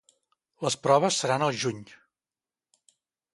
Les proves seran al juny.